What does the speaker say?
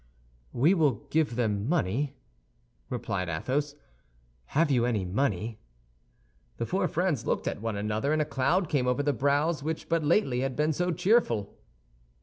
"We will give them money?" replied Athos. "Have you any money?" The four friends looked at one another, and a cloud came over the brows which but lately had been so cheerful.